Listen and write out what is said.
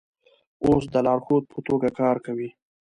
اوس د لارښود په توګه کار کوي.